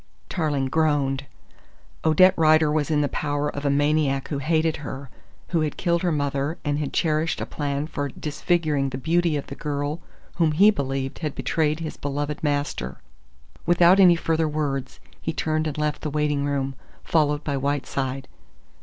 Tarling groaned. Odette Rider was in the power of a maniac who hated her, who had killed her mother and had cherished a plan for disfiguring the beauty of the girl whom he believed had betrayed his beloved master. Without any further words he turned and left the waiting room, followed by Whiteside.